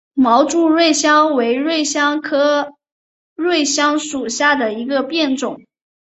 毛柱瑞香为瑞香科瑞香属下的一个变种。